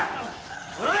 おい！